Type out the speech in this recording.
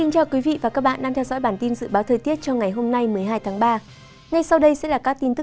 các bạn hãy đăng ký kênh để ủng hộ kênh của chúng mình nhé